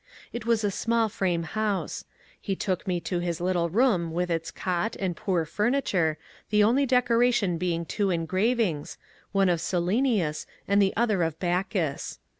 It was a small frame house. He took me to his little room with its cot, and poor furniture, the only decoration being two engravings, one of Silenus and the other of Bacchus.